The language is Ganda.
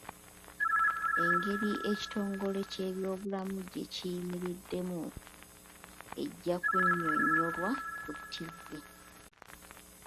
Engeri ekitongole ky'ebyobulamu gye kiyimiriddemu ejja kunyonnyolwa ku TV.